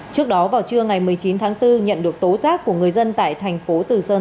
trước đó vào trưa ngày một mươi chín tháng bốn nhận được tố giác của người dân tại thành phố từ sơn